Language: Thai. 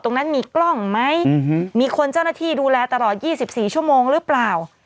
ตรงนั้นมีกล้องไหมมีคนเจ้าหน้าที่ดูแลตลอด๒๔ชั่วโมงหรือเปล่า